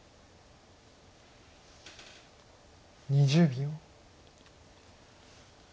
２０秒。